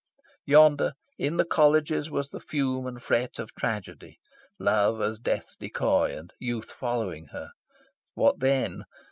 Yonder, in the Colleges, was the fume and fret of tragedy Love as Death's decoy, and Youth following her. What then?